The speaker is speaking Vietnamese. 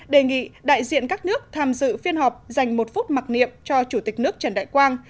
đề nghị đại diện các nước tham dự phiên họp dành một phút mặc niệm cho chủ tịch nước trần đại quang